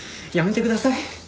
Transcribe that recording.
やめてください。